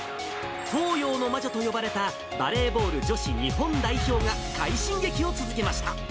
東洋の魔女と呼ばれたバレーボール女子日本代表が、快進撃を続けました。